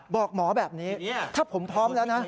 บอกหมอแบบนี้ถ้าผมพร้อมแล้วนะ